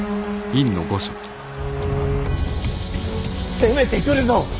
攻めてくるぞ。